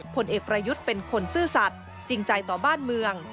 ผลเอกประยุทธ์เป็นคนซื่อสัตว์จริงใจต่อบ้านเมือง